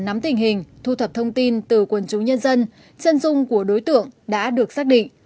nắm tình hình thu thập thông tin từ quần chúng nhân dân chân dung của đối tượng đã được xác định